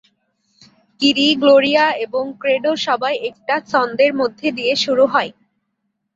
কিরি, Gloria এবং Credo সবাই একটা ছন্দের মধ্যে দিয়ে শুরু হয়।